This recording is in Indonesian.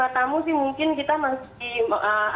tamu sih mungkin kita masih